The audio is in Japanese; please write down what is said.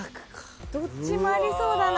・どっちもありそうだな。